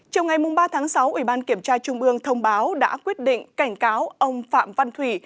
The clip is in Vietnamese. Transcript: trong ngày ba sáu ubnd thông báo đã quyết định cảnh cáo ông phạm văn thủy